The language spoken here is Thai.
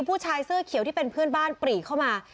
ผู้ชายเสื้อเขียวที่เป็นเพื่อนบ้านปรีเข้ามา